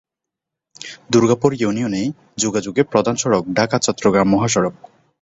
দুর্গাপুর ইউনিয়নে যোগাযোগের প্রধান সড়ক ঢাকা-চট্টগ্রাম মহাসড়ক।